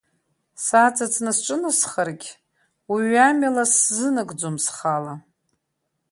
Саҵыҵны сҿынасхаргь, уи амҩа лас сзынагӡом схала.